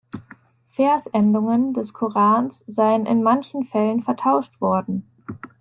Vers-Endungen des Korans seien in manchen Fällen vertauscht worden.